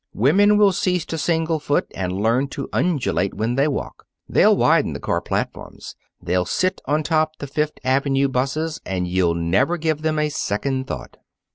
Women will cease to single foot and learn to undulate when they walk. They'll widen the car platforms. They'll sit on top the Fifth Avenue 'buses, and you'll never give them a second thought."